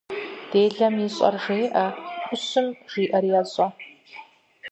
Делэм ищӏэр жеӏэ, ӏущым жиӏэр ещӏэ.